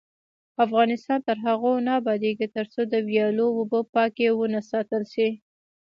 افغانستان تر هغو نه ابادیږي، ترڅو د ویالو اوبه پاکې ونه ساتل شي.